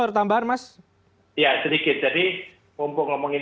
terus tambahan mas ya sedikit jadi mumpung ngomongin